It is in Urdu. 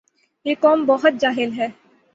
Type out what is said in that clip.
یہ قوم بہت جاہل ھے